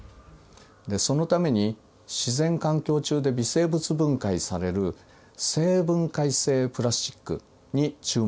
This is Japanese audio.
そのために自然環境中で微生物分解される生分解性プラスチックに注目が集まっています。